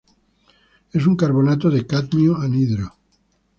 Es un carbonato de cadmio, anhidro.